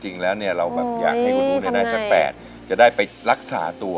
จริงแล้วเนี่ยเราแบบอยากให้คุณอู๋จะได้สัก๘จะได้ไปรักษาตัว